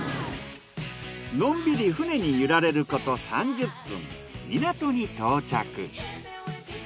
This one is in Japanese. のんびり船に揺られること３０分。